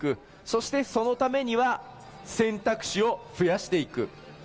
そしてそのためには選択肢を増やしていく。